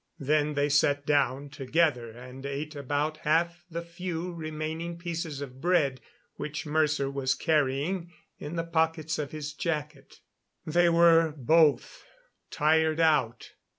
Then they sat down, together and ate about half the few remaining pieces of bread which Mercer was carrying in the pockets of his jacket. They were both tired out.